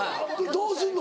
どうするの？